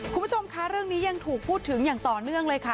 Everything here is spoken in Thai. คุณผู้ชมคะเรื่องนี้ยังถูกพูดถึงอย่างต่อเนื่องเลยค่ะ